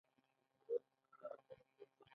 سیاسي خپلواکي یې تر ټولو ټیټې کچې ته رسېدلې.